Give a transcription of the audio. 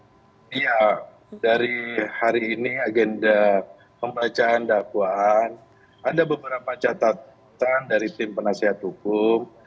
iya dari hari ini agenda pembacaan dakwaan ada beberapa catatan dari tim penasihat hukum